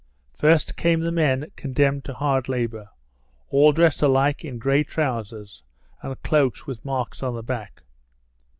First came the men condemned to hard labour, all dressed alike in grey trousers and cloaks with marks on the back.